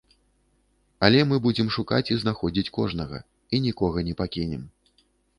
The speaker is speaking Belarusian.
Але мы будзем шукаць і знаходзіць кожнага і нікога не пакінем.